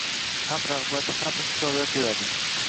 Ham ragʻbat, ham iqtisodiyot yuradi.